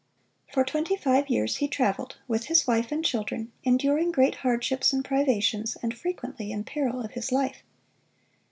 For twenty five years he traveled, with his wife and children, enduring great hardships and privations, and frequently in peril of his life.